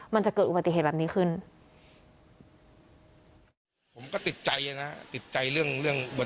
มันจะเกิดอุบัติเหตุแบบนี้ขึ้น